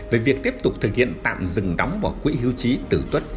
về việc tiếp tục thực hiện tạm dừng đóng vào quỹ hưu trí tử tuất